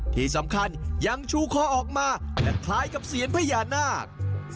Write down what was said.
ที่สำคัญยังชูคอออกมาและคล้ายกับเซียนพญานาค